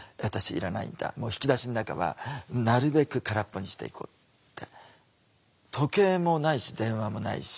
引き出しの中はなるべく空っぽにしていこうって。